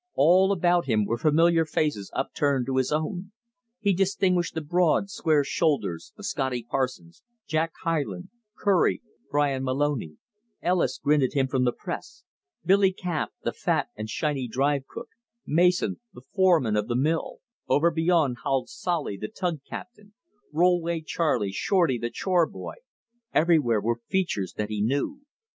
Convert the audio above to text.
All about him were familiar faces upturned to his own. He distinguished the broad, square shoulders of Scotty Parsons, Jack Hyland, Kerlie, Bryan Moloney; Ellis grinned at him from the press; Billy Camp, the fat and shiny drive cook; Mason, the foreman of the mill; over beyond howled Solly, the tug captain, Rollway Charley, Shorty, the chore boy; everywhere were features that he knew.